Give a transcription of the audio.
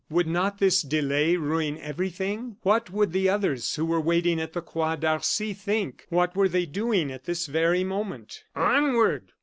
Would not this delay ruin everything? What would the others, who were waiting at the Croix d'Arcy, think! What were they doing at this very moment? "Onward!